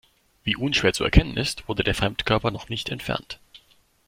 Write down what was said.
Wie unschwer zu erkennen ist, wurde der Fremdkörper noch nicht entfernt.